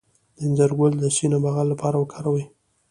د انځر ګل د سینه بغل لپاره وکاروئ